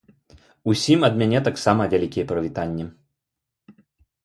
Усім ад мяне таксама вялікія прывітанні.